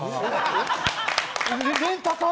レンタカー？